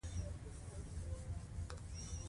الله حاضر دى چې نه يې راته ځاى معلوم دى.